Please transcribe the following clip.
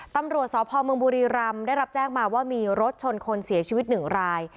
ตำรวจสพเมืองบุรีรำได้รับแจ้งมาว่ามีรถชนคนเสียชีวิตหนึ่งราย